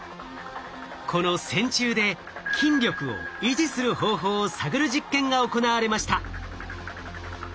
この線虫で筋力を維持する方法を探る実験が行われました。